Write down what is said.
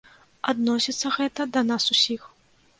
Адносіцца гэта да нас усіх.